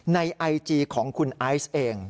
ในไอจีของคุณไอซ์เอง